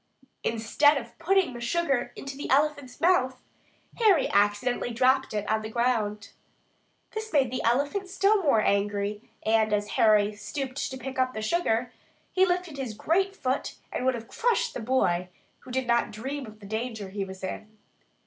Instead of putting the sugar into the elephant's mouth, Harry accidentally dropped it on the ground. This made the elephant still more angry; and, as Harry stooped to pick up the sugar, he lifted his great foot and would have crushed the boy, who did not dream of the danger he was in.